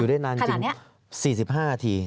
อยู่ได้นานจริงขนาดนี้๔๕นาที